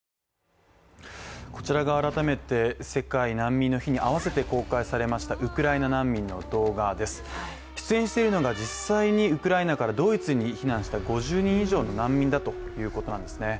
こちらが改めて世界難民の日に合わせて公開されましたウクライナ難民の動画です出演しているのが実際にウクライナからドイツに避難した５０人以上の難民だということなんですね。